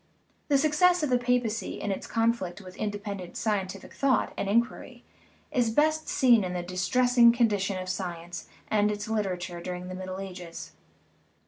The success of the papacy in its conflict with independent scientific thought and in quiry is best seen in the distressing condition of sci ence and its literature during the Middle Ages.